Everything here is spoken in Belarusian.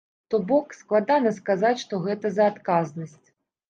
То бок, складана сказаць, што гэта за адказнасць.